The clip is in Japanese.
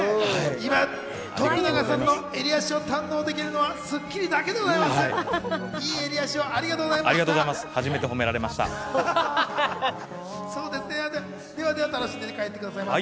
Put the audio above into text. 今、徳永さんの襟足を堪能できるのは『スッキリ』だけでございます。